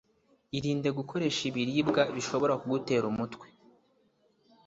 irinde gukoresha ibiribwa bishobora kugutera umutwe